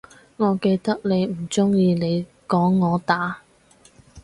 我記得你唔鍾意你講我打